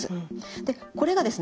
でこれがですね